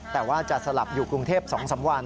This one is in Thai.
แต่ว่าจะสลับอยู่กรุงเทพ๒๓วัน